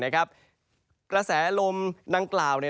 กระแสลมดังกล่าว